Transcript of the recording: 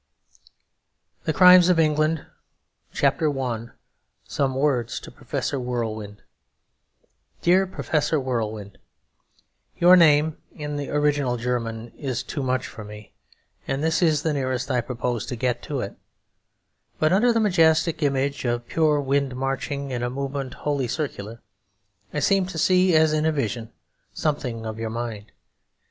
THE CRIMES OF ENGLAND I Some Words to Professor Whirlwind DEAR PROFESSOR WHIRLWIND, Your name in the original German is too much for me; and this is the nearest I propose to get to it: but under the majestic image of pure wind marching in a movement wholly circular I seem to see, as in a vision, something of your mind.